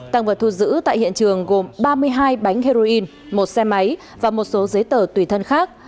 tăng vật thu giữ tại hiện trường gồm ba mươi hai bánh heroin một xe máy và một số giấy tờ tùy thân khác